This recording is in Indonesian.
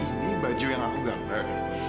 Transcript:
ini baju yang aku gambar